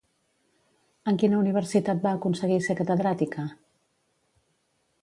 En quina universitat va aconseguir ser catedràtica?